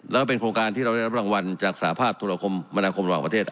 แล้วเป็นโครงการที่เราได้รับรางวัลจากสหภาพธุรกรรมมนาคมระหว่างประเทศ